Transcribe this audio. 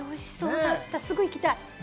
すぐ行きたい。